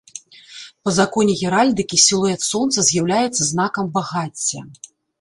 Па законе геральдыкі, сілуэт сонца з'яўляецца знакам багацця.